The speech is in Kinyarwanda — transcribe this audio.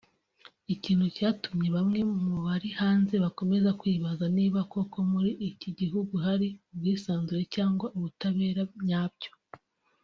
ikintu cyatumye bamwe mu bari hanze bakomeza kwibaza niba koko muri iki gihugu hari ubwisanzure cyangwa ubutabera nyabyo